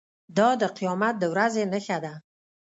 دا د قیامت د ورځې نښه ده.